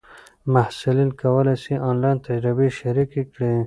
محصلین کولای سي آنلاین تجربې شریکې کړي.